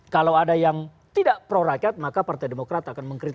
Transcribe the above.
kalau ada yang tidak pro rakyat maka partai demokrat akan mengkritik